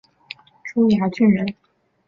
珠崖郡人。